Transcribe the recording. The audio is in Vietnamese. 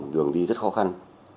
đường đi rất khó khăn